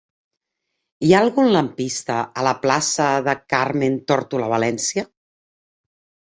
Hi ha algun lampista a la plaça de Carmen Tórtola Valencia?